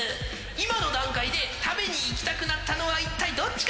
今の段階で食べに行きたくなったのは一体どっちか？